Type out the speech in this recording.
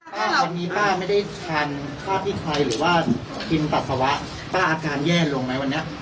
วันนี้ป้าไม่ได้ทานข้าวที่ใครหรือว่ากินปัสสาวะป้าอาการแย่ลงไหมวันนี้